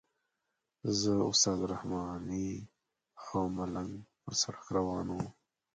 زه استاد رحماني او ملنګ پر سړک روان وو.